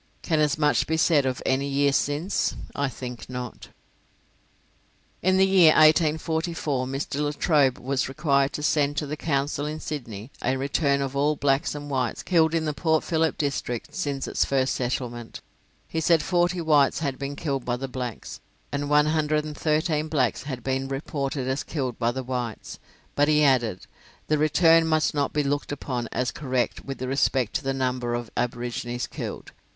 Can as much be said of any year since? I think not." In the year 1844 Mr. Latrobe was required to send to the Council in Sydney a return of all blacks and whites killed in the Port Phillip district since its first settlement. He said forty whites had been killed by the blacks, and one hundred and thirteen blacks had been reported as killed by the whites; but he added, "the return must not be looked upon as correct with respect to the number of aborigines killed."